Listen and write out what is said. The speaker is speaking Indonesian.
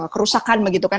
kerusakan begitu kan